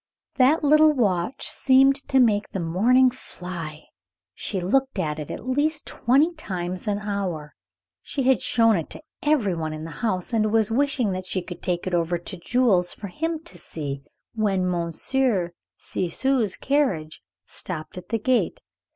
That little watch seemed to make the morning fly. She looked at it at least twenty times an hour. She had shown it to every one in the house, and was wishing that she could take it over to Jules for him to see, when Monsieur Ciseaux's carriage stopped at the gate.